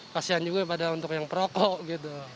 kasian juga pada untuk yang perokok gitu